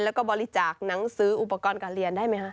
แล้วก็บริจาคหนังสืออุปกรณ์การเรียนได้ไหมคะ